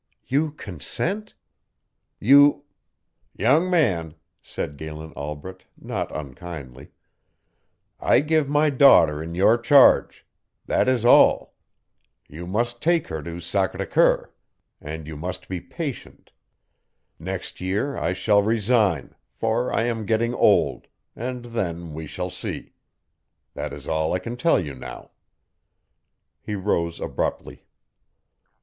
"You consent? You " "Young man," said Galen Albret, not unkindly, "I give my daughter in your charge; that is all. You must take her to Sacré Coeur. And you must be patient. Next year I shall resign, for I am getting old, and then we shall see. That is all I can tell you now." He arose abruptly.